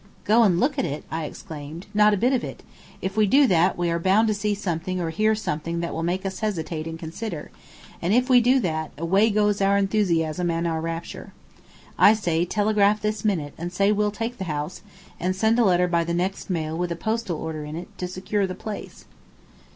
"Go and look at it?" I exclaimed. "Not a bit of it. If we do that, we are bound to see something or hear something that will make us hesitate and consider, and if we do that, away goes our enthusiasm and our rapture. I say, telegraph this minute and say we'll take the house, and send a letter by the next mail with a postal order in it, to secure the place."